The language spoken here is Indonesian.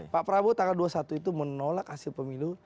pak prabowo tanggal dua puluh satu itu menolak hasil pemilu